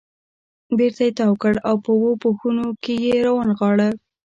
بېرته یې تاو کړ او په اوو پوښونو کې یې را ونغاړه.